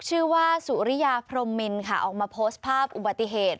ชื่อว่าสุริยาพรมมินค่ะออกมาโพสต์ภาพอุบัติเหตุ